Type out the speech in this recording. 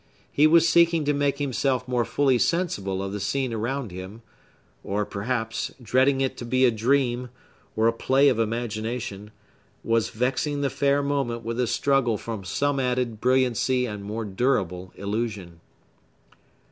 He was seeking to make himself more fully sensible of the scene around him; or, perhaps, dreading it to be a dream, or a play of imagination, was vexing the fair moment with a struggle for some added brilliancy and more durable illusion.